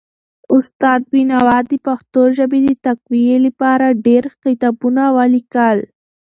استاد بینوا د پښتو ژبې د تقويي لپاره ډېر کتابونه ولیکل.